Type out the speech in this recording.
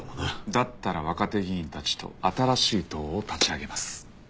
だったら若手議員たちと新しい党を立ち上げます。